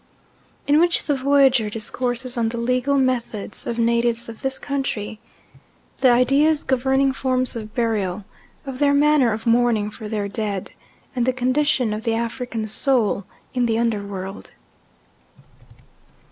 In which the Voyager discourses on the legal methods of natives of this country, the ideas governing forms of burial, of their manner of mourning for their dead, and the condition of the African soul in the under world.